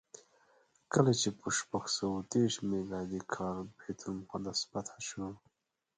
کله چې په شپږ سوه اوه دېرش میلادي کال بیت المقدس فتحه شو.